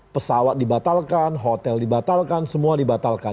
pesawat dibatalkan hotel dibatalkan semua dibatalkan